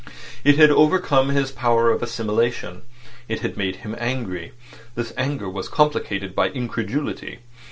It had overcome his power of assimilation. It had made him angry. This anger was complicated by incredulity.